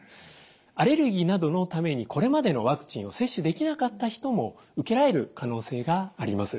アレルギーなどのためにこれまでのワクチンを接種できなかった人も受けられる可能性があります。